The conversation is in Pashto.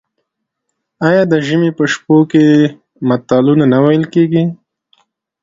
آیا د ژمي په شپو کې متلونه نه ویل کیږي؟